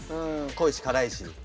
濃いしからいし。